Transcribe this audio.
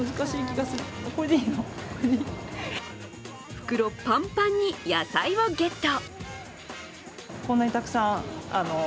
袋パンパンに野菜をゲット。